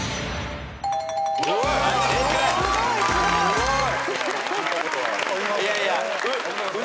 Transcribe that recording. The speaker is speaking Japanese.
すごい。